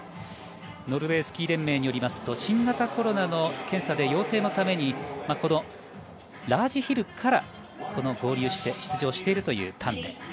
ノルウェースキー連盟によります新型コロナの検査で陽性のためにラージヒルから合流して出場しているというタンデ。